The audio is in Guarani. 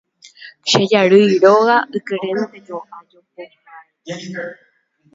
Che jarýi róga ykérenteko ajogapova'ekue.